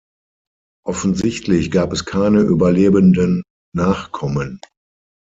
Offensichtlich gab es keine überlebenden Nachkommen.